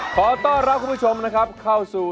ขอต้อนรับคุณผู้ชมนะครับเข้าสู่